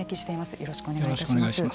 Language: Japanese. よろしくお願いします。